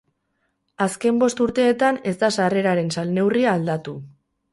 Azken bost urteetan ez da sarreraren salneurria aldatu.